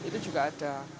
itu juga ada